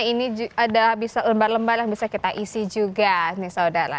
ini ada bisa lembar lembar yang bisa kita isi juga nih saudara